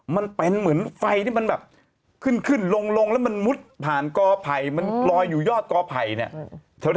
มันเป็นเหมือนไฟที่มันแบบขึ้นขึ้นลงแล้วมันมุดผ่านกอไผ่มันลอยอยู่ยอดกอไผ่เนี่ย